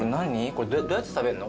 これどうやって食べんの？